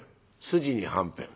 「筋にはんぺん」。